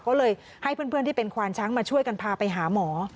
ก็เลยให้เพื่อนที่เป็นควานช้างมาช่วยกันพาไปหาหมอ